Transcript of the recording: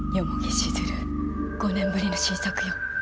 静流５年ぶりの新作よ。